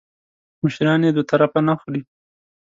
مشران یې دوه طرفه نه خوري .